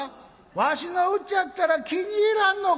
「わしのうちやったら気に入らんのか！」。